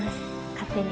勝手に。